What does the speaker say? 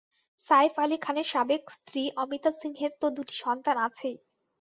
সাইফ আলী খানের সাবেক স্ত্রী অমৃতা সিংয়ের তো দুুটি সন্তান আছেই।